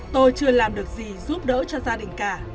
tôi chưa làm được gì giúp đỡ cho gia đình cả